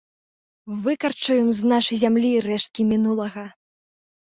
Выкарчуем з нашай зямлі рэшткі мінулага!